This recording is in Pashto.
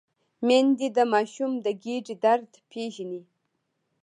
میندې د ماشوم د ګیډې درد پېژني۔